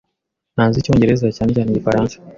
Ntazi Icyongereza, cyane cyane Igifaransa.